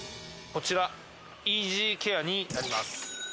こちらイージーケアになります。